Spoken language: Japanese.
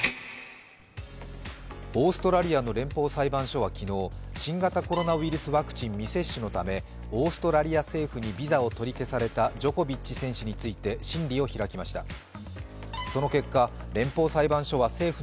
オーストラリアの連邦裁判所は昨日新型コロナウイルスワクチン未接種のためオーストラリア政府にビザを取り消されたジョコビッチ選手について審理を開きました。